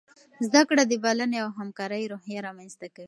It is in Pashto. زده کړه د بلنې او همکارۍ روحیه رامنځته کوي.